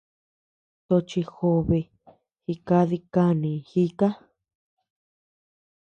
Tochi jobe jikadi kanii jika.